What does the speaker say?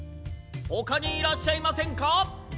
ほかにいらっしゃいませんか？